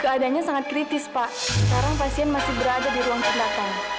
keadaannya sangat kritis pak sekarang pasien masih berada di ruang tindakan